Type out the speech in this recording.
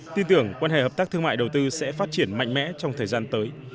tin tưởng quan hệ hợp tác thương mại đầu tư sẽ phát triển mạnh mẽ trong thời gian tới